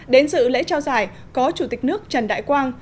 đến dự lễ trao giải có chủ tịch nước trần đại quang